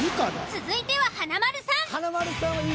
続いては華丸さん。